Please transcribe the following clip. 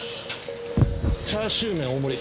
チャーシュー麺大盛り。